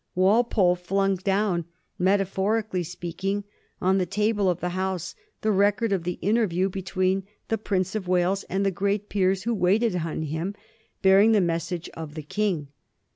Walpole flung down, metaphorically speaking, on the table of the House the record of the interview between the Prince of Wales and the great peers who waited on kim, bearing the mes sage of the King.